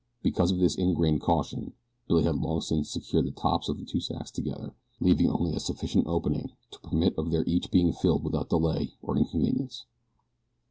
Because of this ingrained caution Billy had long since secured the tops of the two sacks together, leaving only a sufficient opening to permit of their each being filled without delay or inconvenience.